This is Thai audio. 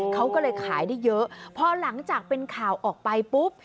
เขาก็เลยขายได้เยอะพอหลังจากเป็นข่าวออกไปปุ๊บ